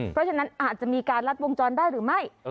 เพราะฉะนั้นอาจจะมีการลัดวงจรได้หรือไม่